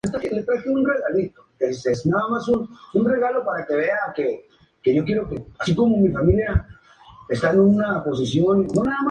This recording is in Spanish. El texto en latín fue extraído de la primera Égloga de Virgilio.